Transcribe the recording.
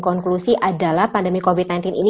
konklusi adalah pandemi covid sembilan belas ini